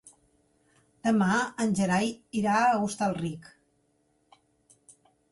Demà en Gerai irà a Hostalric.